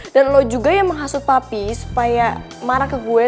dan lo juga yang menghasut papi supaya marah ke gue terus gue gak dibolehin